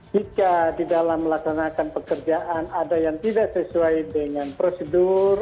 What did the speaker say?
jika di dalam melaksanakan pekerjaan ada yang tidak sesuai dengan prosedur